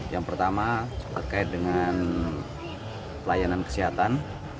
yang pertama terkait dengan pelayanan kesehatan